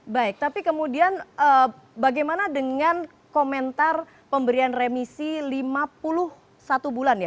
baik tapi kemudian bagaimana dengan komentar pemberian remisi lima puluh satu bulan ya